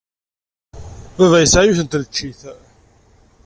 Baba yesɛa yiwet n tneččit.